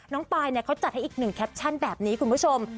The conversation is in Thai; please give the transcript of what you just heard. ปายเขาจัดให้อีกหนึ่งแคปชั่นแบบนี้คุณผู้ชม